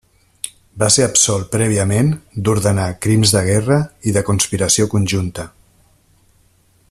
Va ser absolt prèviament d'ordenar crims de guerra i de conspiració conjunta.